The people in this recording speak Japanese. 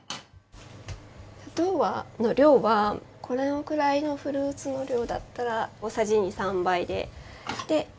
砂糖の量はこれぐらいのフルーツの量だったら大さじ２３杯で。